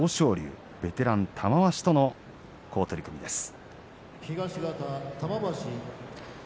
今日はベテラン玉鷲との好取組です。